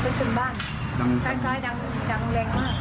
คล้ายดังแรงมาก